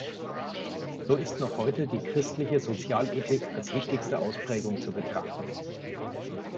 So ist noch heute die christliche Sozialethik als wichtigste Ausprägung zu betrachten.